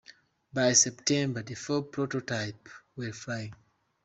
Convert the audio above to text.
By September, four prototypes were flying.